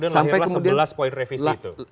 sampai kemudian lahir sebelas point revisi itu